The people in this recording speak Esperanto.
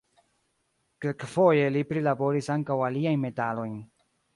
Kelkfoje li prilaboris ankaŭ aliajn metalojn.